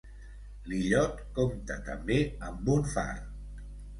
L'illot compta també amb un far.